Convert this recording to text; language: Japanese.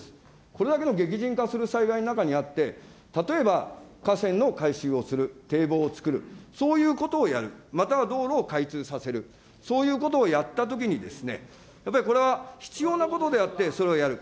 これだけの激甚化する災害の中にあって、例えば河川の改修をする、堤防をつくる、そういうことをやる、または道路を開通させる、そういうことをやったときに、やっぱりこれは必要なことであって、それをやる。